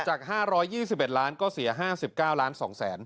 จากห้าร้อยยี่สิบเอ็ดล้านก็เสียห้าสิบเก้าล้านสองแสน